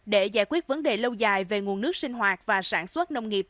để giải quyết vấn đề lâu dài về nguồn nước sinh hoạt và sản xuất nông nghiệp